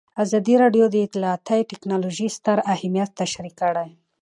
ازادي راډیو د اطلاعاتی تکنالوژي ستر اهميت تشریح کړی.